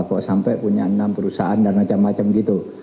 kok sampai punya enam perusahaan dan macam macam gitu